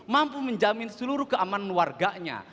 mampu menjamin seluruh keamanan warganya